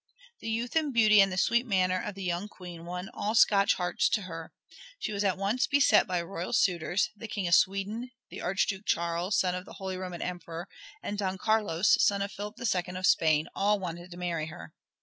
The youth and beauty and the sweet manner of the young Queen won all Scotch hearts to her. She was at once beset by royal suitors; the King of Sweden, the Archduke Charles, son of the Holy Roman Emperor, and Don Carlos, son of Philip II of Spain, all wanted to marry her.